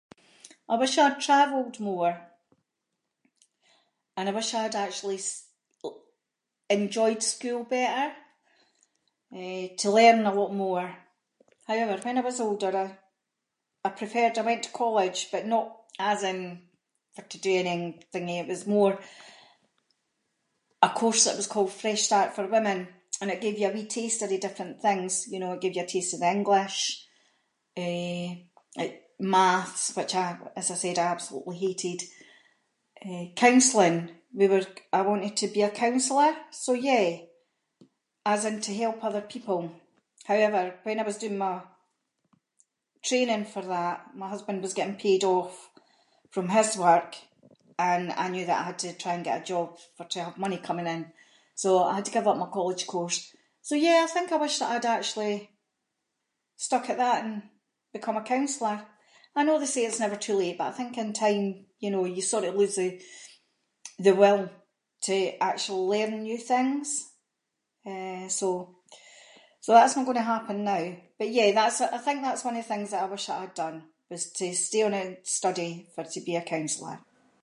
I wish I had travelled more, and I wish I’d actually enjoyed school better, eh, to learn a lot more. However, when I was older I preferred- I went to college, but not as in for to do anything- it was more a course that was called ‘Fresh Start for Women’ and it gave you a wee taster of different things, you know, it gave you a taster of English, eh, it- maths, which I- as I said, I absolutely hated, eh, counselling, we were- I wanted to be a counsellor, so yeah, as in to help other people. However, when I was doing my training for that, my husband was getting paid off from his work, and I knew that I had to try and get a job for- to have money coming in, so I had to give up my college course, so yeah I think I wish that I’d actually stuck at that and become a counsellor. I know they say it’s never too late, but I think in time you know, you sort of lose the- the will to actual learn new things, eh so. So that’s no going to happen now, but yeah that’s a- I think that’s one of the things that I wish that I’d done was to stay on and study for- to be a counsellor.